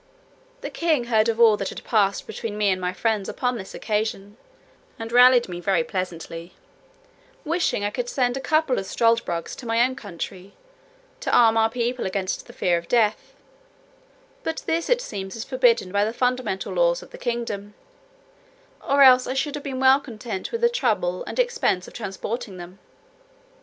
The king heard of all that had passed between me and my friends upon this occasion, and rallied me very pleasantly; wishing I could send a couple of struldbrugs to my own country, to arm our people against the fear of death; but this, it seems, is forbidden by the fundamental laws of the kingdom, or else I should have been well content with the trouble and expense of transporting them.